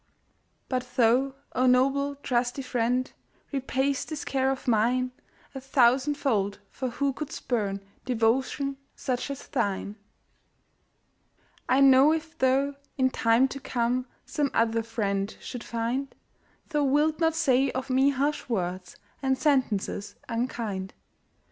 But thou, oh, noble, trusty friend, Repay'st this care of mine A thousand fold, for who could spurn Devotion such as thine? I know if thou, in time to come, Some other friend should find, Thou wilt not say of me harsh words And sentences unkind.